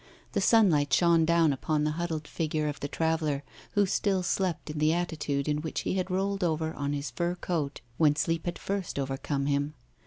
The sunlight shone down upon the huddled figure of the traveller, who still slept in the attitude in which he had rolled over on his fur coat when sleep had first overcome him.